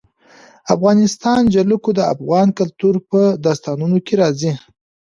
د افغانستان جلکو د افغان کلتور په داستانونو کې راځي.